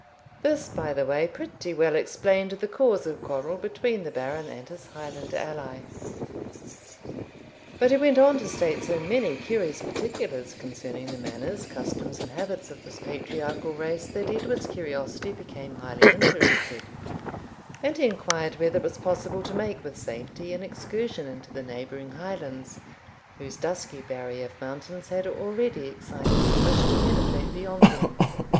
This, by the way, pretty well explained the cause of quarrel between the Baron and his Highland ally. But he went on to state so many curious particulars concerning the manners, customs, and habits of this patriarchal race that Edward's curiosity became highly interested, and he inquired whether it was possible to make with safety an excursion into the neighbouring Highlands, whose dusky barrier of mountains had already excited his wish to penetrate beyond them.